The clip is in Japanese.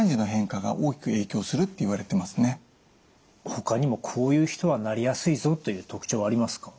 ほかにもこういう人はなりやすいぞという特徴はありますか？